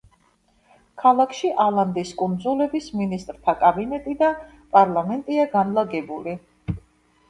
ქალაქში ალანდის კუნძულების მინისტრთა კაბინეტი და პარლამენტია განლაგებული.